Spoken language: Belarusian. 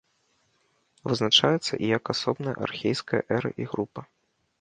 Вызначаецца і як асобная архейская эра і група.